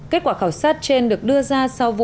kết quả khảo sát trên được đưa ra sau vụ